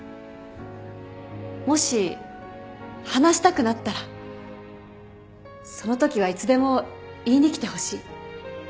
もし話したくなったらそのときはいつでも言いに来てほしい。